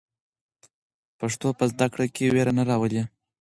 پښتو په زده کړه کې وېره نه راولي.